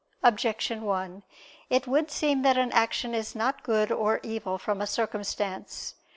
Objection 1: It would seem that an action is not good or evil from a circumstance.